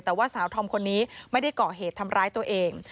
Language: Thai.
แต่ว่าสาวธอมคนนี้ไม่ได้ก่อเหตุทำร้ายตัวเอง